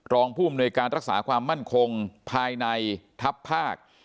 รองผู้อำนวยการรักษาความมั่นคงภายในทัพภาค